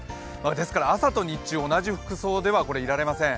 ですから朝と日中、同じ服装ではいられません。